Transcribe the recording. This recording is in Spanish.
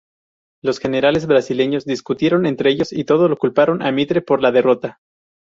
Los generales brasileños discutieron entre ellos, y todos culparon a Mitre por la derrota.